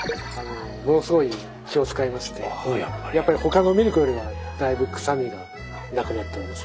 ものすごい気を遣いましてやっぱりほかのミルクよりもだいぶ臭みがなくなっております。